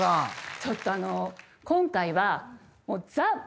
ちょっと今回は。